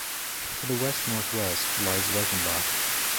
To the west-northwest lies Reichenbach.